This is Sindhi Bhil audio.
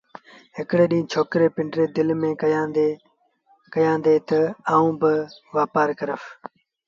هڪڙي ڏيݩهݩ ڇوڪري پنڊريٚ دل ميݩ کيآل ڪيآݩدي تا آئوݩ با وآپآر ڪرس